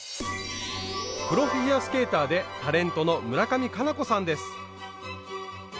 プロフィギュアスケーターでタレントの村上佳菜子さんです。